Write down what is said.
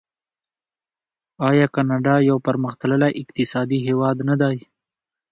آیا کاناډا یو پرمختللی اقتصادي هیواد نه دی؟